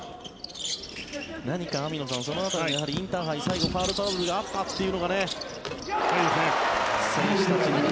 何か網野さん、その辺りインターハイ、最後ファウルトラブルがあったというのが選手たちにも。